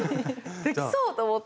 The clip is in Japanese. できそうと思って。